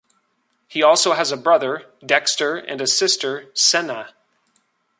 He also has a brother, Dexter and a sister, Senna.